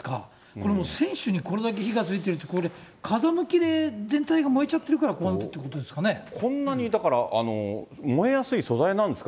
これ、船首にこれだけ火がついてるってこれ、風向きが全体が燃えちゃってるから、こうなっているこんなに、だから燃えやすい素材なんですか？